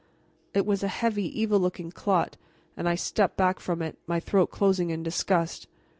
It was a heavy, evil looking clot, and I stepped back from it, my throat closing in disgust.